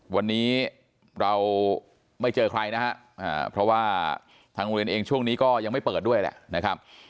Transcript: วันนี้เราไม่เจอใครนะฮะเพราะว่าทางโรงเรียนเองช่วงนี้ก็ยังไม่เปิดด้วยแหละนะครับ